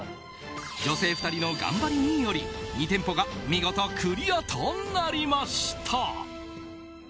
女性２人の頑張りにより２店舗が見事クリアとなりました。